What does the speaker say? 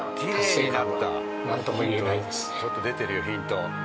ちょっと出てるよヒント。